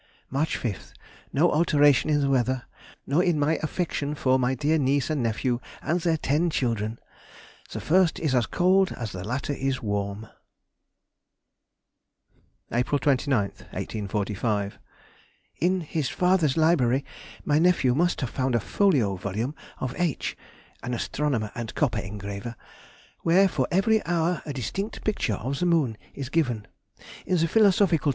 March 5th.—No alteration in the weather, nor in my affection for my dear niece and nephew and their ten children! the first is as cold as the latter is warm! [Sidenote: 1845. The Great Telescope.] April 29, 1845. In his father's library my nephew must have found a folio volume of H—— (an astronomer and copper engraver), where, for every hour a distinct picture [of the moon] is given. In the Phil.